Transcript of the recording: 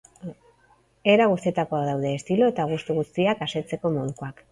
Era guztietakoak daude, estilo eta gustu guztiak asetzeko modukoak.